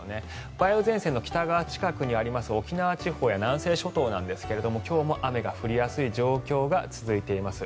梅雨前線の北側近くにあります沖縄地方や南西諸島ですが今日も雨が降りやすい状況が続いています。